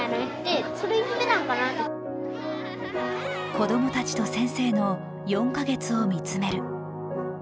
子供たちと先生の４か月を見つめる。